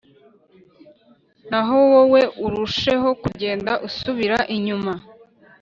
naho wowe urusheho kugenda usubira inyuma